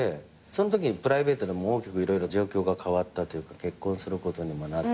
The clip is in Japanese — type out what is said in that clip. そのときにプライベートでも大きく色々状況が変わったというか結婚することにもなったりして。